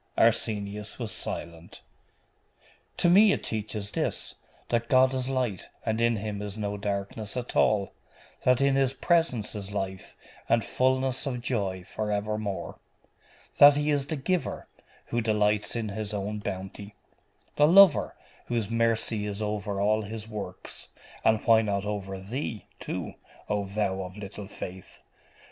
Arsenius was silent. 'To me it teaches this: that God is light, and in Him is no darkness at all. That in His presence is life, and fulness of joy for evermore. That He is the giver, who delights in His own bounty; the lover, whose mercy is over all His works and why not over thee, too, O thou of little faith?